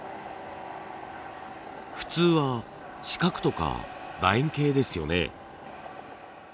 普通は四角とか楕円形ですよね。